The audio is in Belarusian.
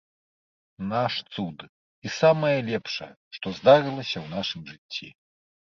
Наш цуд і самае лепшае, што здарылася ў нашым жыцці.